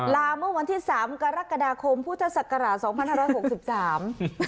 ลาเมื่อวันที่สามกรกฎาคมพุทธศักราชสองพันห้าร้อยหกสิบสาม